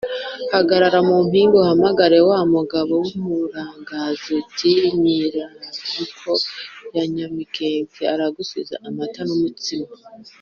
Hagarara mu mpinga uhamagare wa mugabo w'ururangazi uti Minyaruko ya Nyamikenke aragusize-Amata n'umutsima.